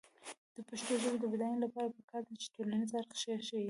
د پښتو ژبې د بډاینې لپاره پکار ده چې ټولنیز اړخ ښه شي.